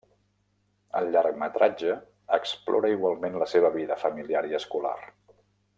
El llargmetratge explora igualment la seva vida familiar i escolar.